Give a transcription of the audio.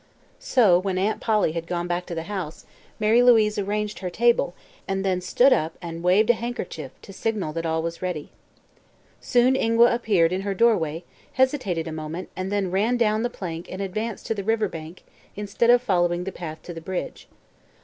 So, when Aunt Polly had gone back to the house, Mary Louise arranged her table and then stood up and waved a handkerchief to signal that all was ready. Soon Ingua appeared in her doorway, hesitated a moment, and then ran down the plank and advanced to the river bank instead of following the path to the bridge.